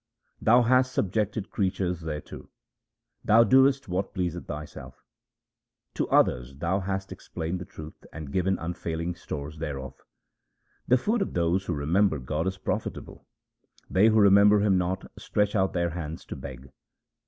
Thou hast subjected creatures thereto ; Thou doest what pleaseth Thyself. To others Thou hast explained the truth and given un failing stores thereof. The food of those who remember God is profitable, they who remember Him not, stretch out their hands to beg.